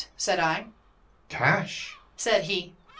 said I. "Cash," said he.